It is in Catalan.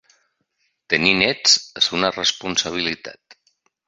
Tenir nets és una responsabilitat.